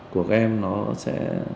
của các em nó sẽ